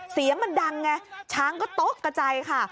เสียงมันดังไงช้างก็โต๊ะกระจายค่ะ